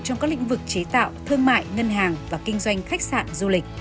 trong các lĩnh vực chế tạo thương mại ngân hàng và kinh doanh khách sạn du lịch